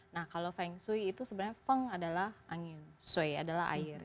nah kalau feng shui itu sebenarnya feng adalah angin sui adalah air